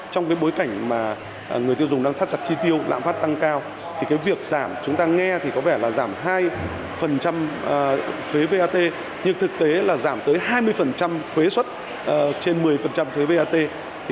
trong bối cảnh mà người tiêu dùng đang thắt chặt chi tiêu lạm phát tăng cao thì việc giảm chúng ta nghe thì có vẻ là giảm hai thuế vat nhưng thực tế là giảm tới hai mươi thuế xuất trên một mươi thuế vat